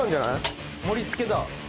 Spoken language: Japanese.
盛り付けだ。